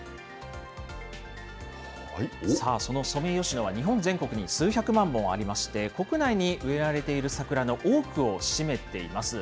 さあ、そのソメイヨシノは日本全国に数百万本ありまして、国内に植えられている桜の多くを占めています。